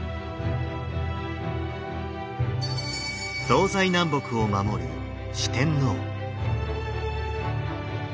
東西南北を守る四天王。